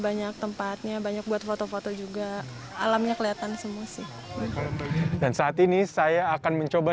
banyak tempatnya banyak buat foto foto juga alamnya kelihatan semua sih dan saat ini saya akan mencoba